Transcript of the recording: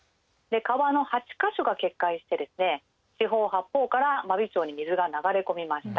川の８か所が決壊して四方八方から真備町に水が流れ込みました。